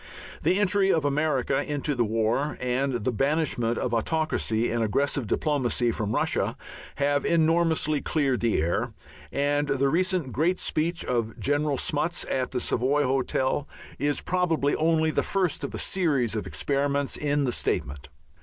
The entry of America into the war and the banishment of autocracy and aggressive diplomacy from Russia have enormously cleared the air, and the recent great speech of General Smuts at the Savoy Hotel is probably only the first of a series of experiments in statement.